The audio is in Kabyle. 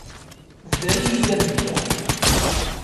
Bder-iyi-d amedya.